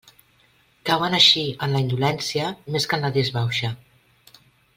Cauen així en la indolència més que en la disbauxa.